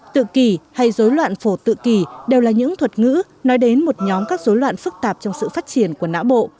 tự kỷ hay dối loạn phổ tự kỳ đều là những thuật ngữ nói đến một nhóm các dối loạn phức tạp trong sự phát triển của não bộ